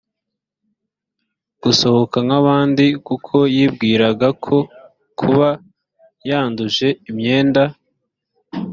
gusohoka nk abandi kuko yibwiraga ko kuba yanduje imyenda